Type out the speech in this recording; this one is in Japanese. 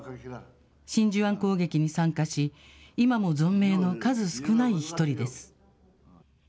真珠湾攻撃に参加し、今も存命の数少ない１人です。